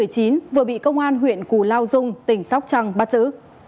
covid một mươi chín vừa bị công an huyện củ lao dung tỉnh sóc trăng bắt giữ